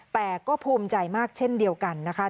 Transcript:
แต่ก็ภูมิใจมากเช่นเดียวกันนะคะ